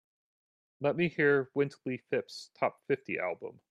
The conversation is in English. Let me hear Wintley Phipps top fifty album.